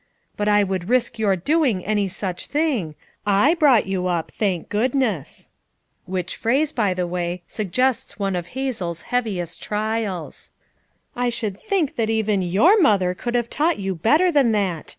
"But I would risk your 109 110 FOUR MOTHERS AT CHAUTAUQUA doing any such thing; I brought you up, thank goodness." Which phrase, by the way, suggests one of Hazel's heaviest trials. "I should think even your mother could have taught you better than that!"